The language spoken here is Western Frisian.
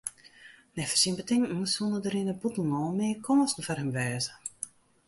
Neffens syn betinken soene der yn it bûtenlân mear kânsen foar him wêze.